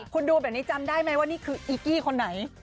คุณดูแบบนี้จำได้ไหมว่านี่คืออีกกี้คนไหน